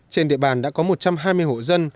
trên địa bàn đã có một trăm hai mươi hộ dân